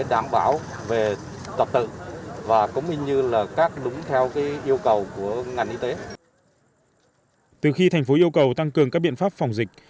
đại diện trung tâm y tế quận sơn trà thành phố yêu cầu tăng cường các biện pháp phòng dịch